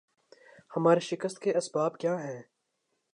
ہماری شکست کے اسباب کیا ہیں